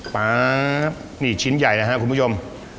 ป๊าบนี่ชิ้นใหญ่นะครับคุณผู้ชม